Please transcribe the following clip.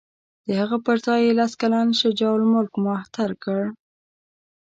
د هغه پر ځای یې لس کلن شجاع الملک مهتر کړ.